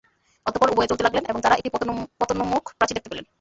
অতঃপর উভয়ে চলতে লাগলেন এবং তাঁরা একটি পতনোন্মুখ প্রাচীর দেখতে পেলেন।